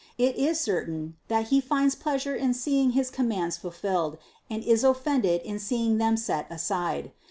It is cer tain, that He finds pleasure in seeing his commands ful filled, and is offended in seeing them set aside.